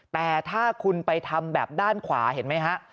แต่ถ้าคุณไปทำแบบด้านขวาเห็นไหมฮะ